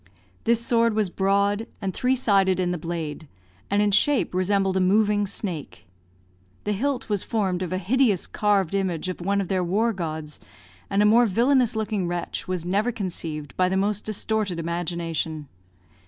This sword was broad, and three sided in the blade, and in shape resembled a moving snake. The hilt was formed of a hideous carved image of one of their war gods; and a more villanous looking wretch was never conceived by the most distorted imagination.